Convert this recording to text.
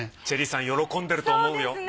チェリさん喜んでると思うよ。